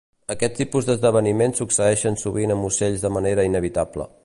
Aquest tipus d'esdeveniments succeeixen sovint amb ocells de manera inevitable.